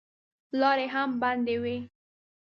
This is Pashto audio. لارې هم بندې وې.